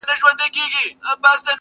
چي استاد وو پر تخته باندي لیکلی!!